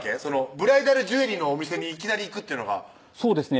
ブライダルジュエリーのお店にいきなり行くっていうのがそうですね